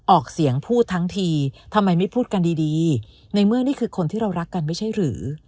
ออกเสียงพูดทั้งทีทำไมไม่พูดกันดีดีในเมื่อนี่คือคนที่เรารักกันไม่ใช่หรือ